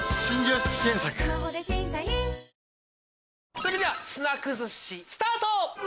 それでは砂崩しスタート！